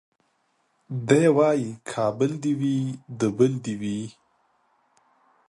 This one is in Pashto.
دی وايي کابل دي وي د بل دي وي